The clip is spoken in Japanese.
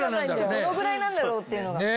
どのぐらいなんだろうっていうのが。